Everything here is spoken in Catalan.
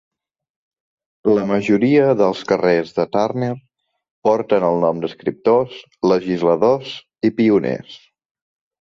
La majoria dels carrers de Turner porten el nom d'escriptors, legisladors i pioners.